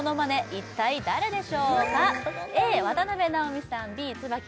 一体誰でしょうか？